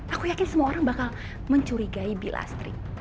aku yakin semua orang bakal mencurigai bilastri